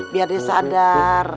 biar dia sadar